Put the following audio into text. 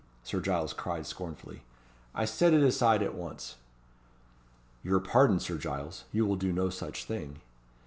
Sir Giles cried scornfully. "I set it aside at once." "Your pardon, Sir Giles; you will do no such thing."